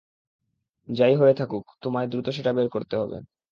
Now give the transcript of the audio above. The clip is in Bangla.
যাই হয়ে থাকুক, তোমায় দ্রুত সেটা বের করতে হবে।